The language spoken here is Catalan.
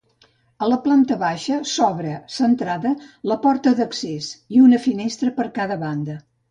A la planta baixa s'obre, centrada, la porta d'accés, i una finestra per cada banda.